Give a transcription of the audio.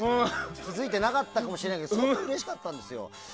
気づいてなかったかもしれないけどすごくうれしかったんですよ。